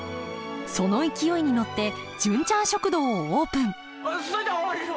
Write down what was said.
その勢いに乗って「純ちゃん食堂」をオープンそいじゃわしも！